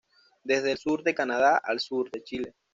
Desde el sur de Canadá al sur de Chile.